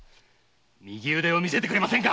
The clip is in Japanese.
右腕を見せてくれませんか！